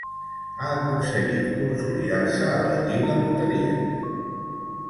Ha aconseguit consolidar-se a la Liga Loterías.